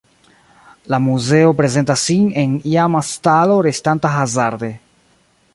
La muzeo prezentas sin en iama stalo restanta hazarde.